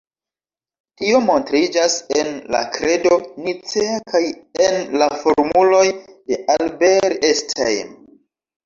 Tio montriĝas en la Kredo Nicea kaj en la formuloj de Albert Einstein.